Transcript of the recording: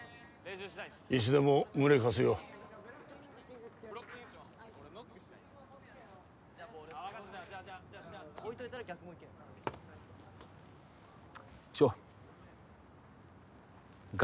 いつでも胸貸すよ翔賀